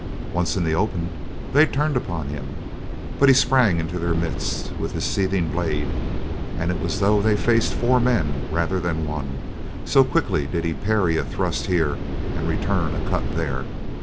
Once in the open, they turned upon him, but he sprang into their midst with his seething blade, and it was as though they faced four men rather than one, so quickly did he parry a thrust here and return a cut there.